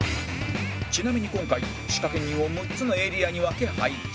ちなみに今回仕掛人を６つのエリアに分け配置